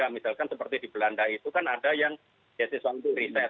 misalkan seperti di belanda itu kan ada yang beasiswa untuk riset